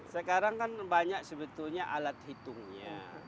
sekarang kan banyak sebetulnya alat hitungnya